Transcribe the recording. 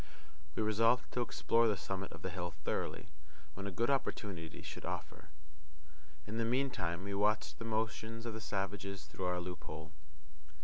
We resolved to explore the summit of the hill thoroughly, when a good opportunity should offer. In the meantime we watched the motions of the savages through our loophole.